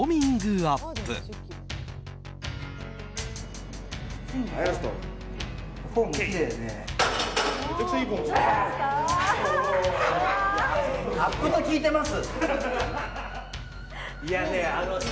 アップで効いてます。